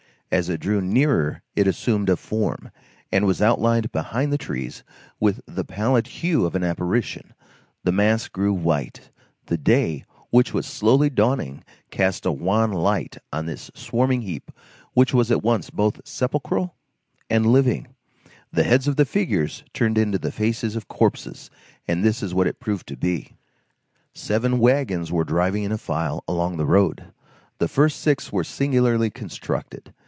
As it drew nearer, it assumed a form, and was outlined behind the trees with the pallid hue of an apparition; the mass grew white; the day, which was slowly dawning, cast a wan light on this swarming heap which was at once both sepulchral and living, the heads of the figures turned into the faces of corpses, and this is what it proved to be:— Seven wagons were driving in a file along the road. The first six were singularly constructed.